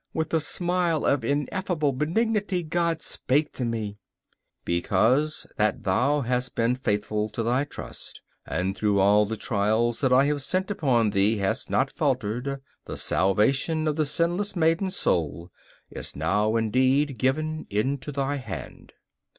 With a smile of ineffable benignity God spake to me: 'Because that thou hast been faithful to thy trust, and through all the trials that I have sent upon thee hast not faltered, the salvation of the sinless maiden's soul is now indeed given into thy hand.